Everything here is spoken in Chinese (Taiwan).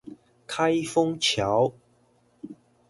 開封橋